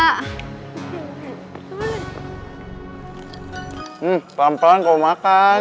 hmm pelan pelan kamu makan